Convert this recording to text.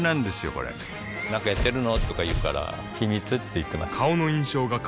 これなんかやってるの？とか言うから秘密って言ってます